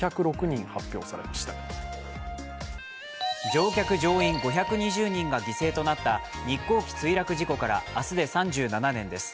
乗客・乗員５２０人が犠牲となった日航機墜落事故から明日で３７年です。